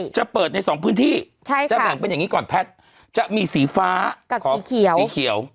จะเปิดในสองพื้นที่จะแบ่งเป็นอย่างนี้ก่อนแพทย์จะมีสีฟ้ากับสีเขียวสีเขียว